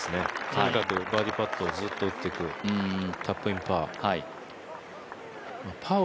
とにかくバーディーパットをずっと打っていく、タップインパー。